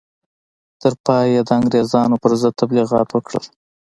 تر پایه یې د انګرېزانو پر ضد تبلیغات وکړل.